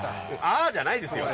「あ」じゃないですよ。